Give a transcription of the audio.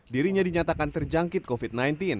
dirinya dinyatakan terjangkit covid sembilan belas